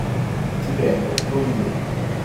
Ti prego, non dirmelo.